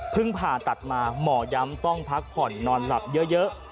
ผ่าตัดมาหมอย้ำต้องพักผ่อนนอนหลับเยอะ